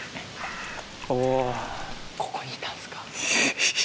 おわここにいたんすか？